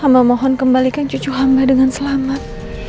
amba mohon kembalikan cucu hamba dengan selamat